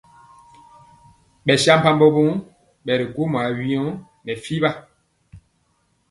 Ɓɛsampabɔ woo ɓɛ jɔ gwomɔ awyɛŋ nɛ fiɓa.